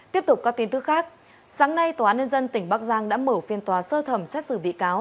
tiếp tục các tin tức khác sáng nay tòa án nhân dân tỉnh bắc giang đã mở phiên tòa sơ thẩm xét xử bị cáo